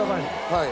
はい。